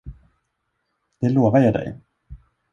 Det lovar jag dig.